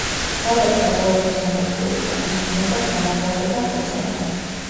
გზადაგზა ყველაფერს ანადგურებდა, მოსახლეობას ძარცვავდა და ხოცავდა.